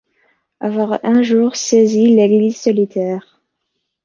Avoir un-jour saisi l'église solitaire